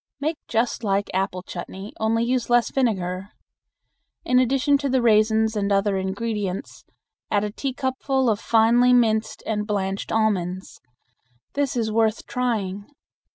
Make just like apple chutney, only use less vinegar. In addition to the raisins and other ingredients, add a teacupful of finely minced and blanched almonds. This is worth trying.